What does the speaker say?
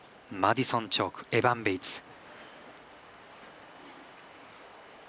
マディソン・チョークエバン・ベイツ。